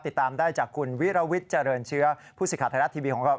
ติดตามได้จากคุณวิรวิทย์เจริญเชื้อผู้สิทธิ์ไทยรัฐทีวีของเรา